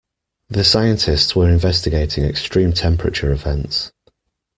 The scientists were investigating extreme temperature events.